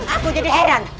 aku jadi heran